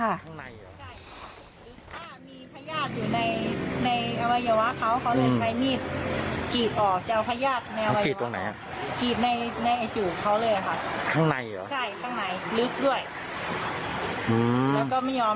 ถ้ามีพยาธิอยู่ในอวัยวะเขาเขาเลยใช้มีดกรีดออก